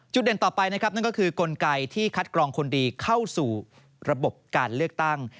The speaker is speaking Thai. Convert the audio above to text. เด่นต่อไปนะครับนั่นก็คือกลไกที่คัดกรองคนดีเข้าสู่ระบบการเลือกตั้ง